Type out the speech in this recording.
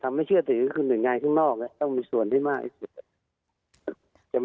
ทำไมเชื่อถือคือหนึ่งงานข้างนอกต้องมีส่วนได้มาก